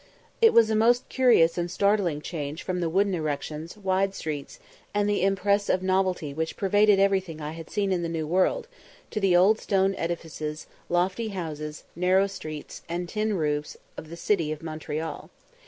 It was a most curious and startling change from the wooden erections, wide streets, and the impress of novelty which pervaded everything I had seen in the New World, to the old stone edifices, lofty houses, narrow streets, and tin roofs of the city of Montreal.